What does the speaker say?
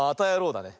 だね。